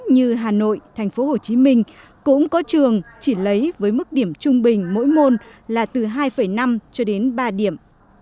như hà nội thành phố hồ chí minh cũng có trường chỉ lấy với mức điểm trung bình mỗi môn là từ hai năm cho đến ba điểm